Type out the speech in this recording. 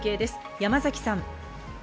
山崎さん。